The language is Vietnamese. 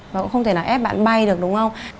và cũng không thể nào ép bạn bay được đúng không